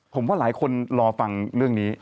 ผมว่าหลายคนรอฟังเรื่องนี้